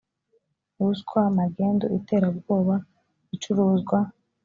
ruswa magendu iterabwoba icuruzwa